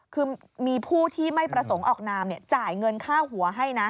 คือมีผู้ที่ไม่ประสงค์ออกนามจ่ายเงินค่าหัวให้นะ